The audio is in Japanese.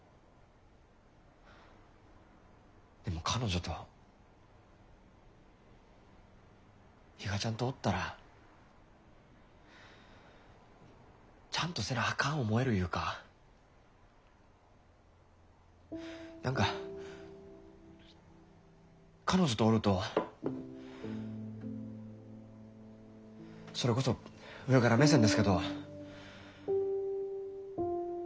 でも彼女と比嘉ちゃんとおったらちゃんとせなあかん思えるいうか何か彼女とおるとそれこそ上から目線ですけど。